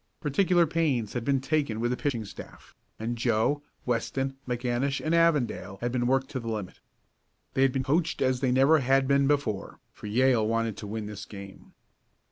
Particular pains had been taken with the pitching staff, and Joe, Weston, McAnish and Avondale had been worked to the limit. They had been coached as they never had been before, for Yale wanted to win this game.